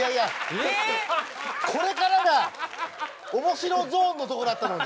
これからが面白ゾーンのとこだったのに。